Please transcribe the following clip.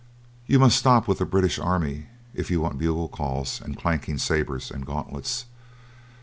You must stop with the British army if you want bugle calls and clanking sabres and gauntlets.